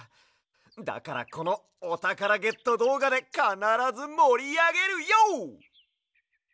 だからこのおたからゲットどうがでかならずもりあげるＹＯ！